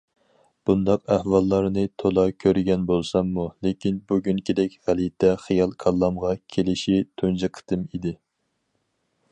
بۇنداق ئەھۋاللارنى تولا كۆرگەن بولساممۇ، لېكىن بۈگۈنكىدەك غەلىتە خىيال كاللامغا كېلىشى تۇنجى قېتىم ئىدى.